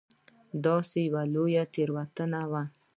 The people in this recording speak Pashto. دا داسې لویه تېروتنه وه.